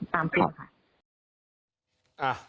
ตามคลิปค่ะ